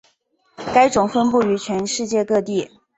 该种分布于全世界各地。